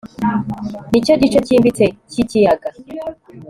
Nicyo gice cyimbitse cyikiyaga